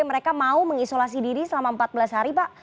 mereka mau mengisolasi diri selama empat belas hari pak